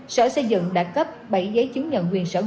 sở xây dựng đã cấp bảy giấy chứng nhận quyền sử dụng đất